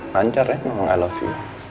lancar emang i love you